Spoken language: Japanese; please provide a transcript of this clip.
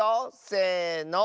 せの。